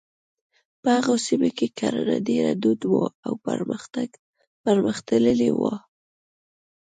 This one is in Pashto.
په هغو سیمو کې کرنه ډېره دود وه او پرمختللې وه.